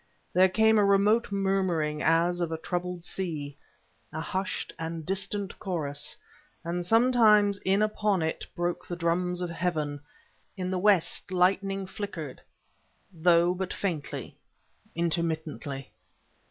There came a remote murmuring, as of a troubled sea a hushed and distant chorus; and sometimes in upon it broke the drums of heaven. In the west lightning flickered, though but faintly, intermittently.